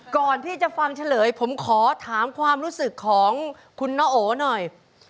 ก่อนที่จะฟังเฉลยผมขอถามความรู้สึกของคุณน้าโอหน่อย